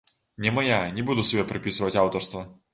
Не мая, не буду сабе прыпісваць аўтарства.